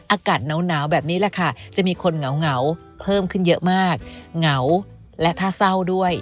อากาศหนาวแบบนี้แหละค่ะจะมีคนเหงาเพิ่มขึ้นเยอะมากเหงาและถ้าเศร้าด้วย